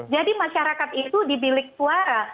jadi masyarakat itu dibilik suara